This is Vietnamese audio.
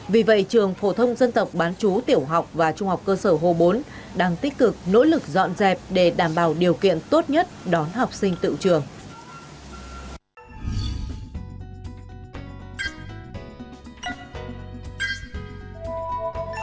vì vậy trường phổ thông dân tộc bán chú tiểu học và trung học cơ sở hồ bốn đang tích cực nỗ lực dọn dẹp để đảm bảo điều kiện tốt nhất đón học sinh tự trường